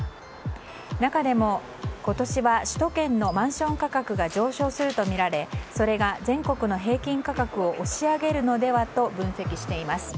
中でも今年は首都圏のマンション価格が上昇するとみられそれが全国の平均価格を押し上げるのではと分析しています。